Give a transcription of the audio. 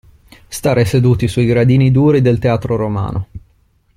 Stare seduti sui gradini duri del teatro romano.